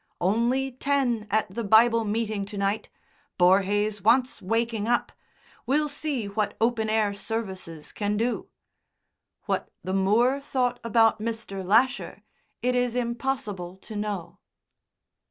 "Only ten at the Bible meeting to night. Borhaze wants waking up. We'll see what open air services can do." What the moor thought about Mr. Lasher it is impossible to know!